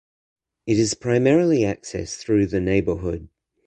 It is primarily accessed through the neighborhood.